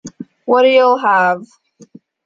What'll you have?